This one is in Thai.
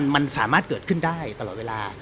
มันสามารถเกิดขึ้นได้ตลอดเวลา